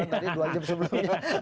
tadi dua jam sebelumnya